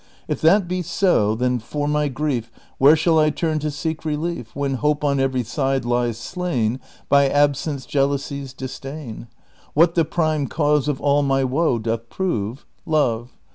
If that be so, then for my grief Where shall I turn to seek relief, When hope on every side lies slain By Absence, Jealousies, Disdain ? What the prime cause of all my woe doth prove ? Love.